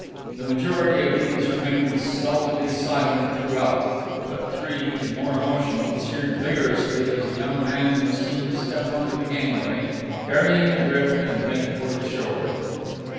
The majority of these remained stolidly silent throughout, but three, more emotional, cheered vigorously as a young man was seen to step on to the gangway, carrying a grip, and make for the shore.